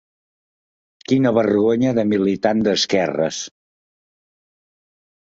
Quina vergonya de militant d’esquerres.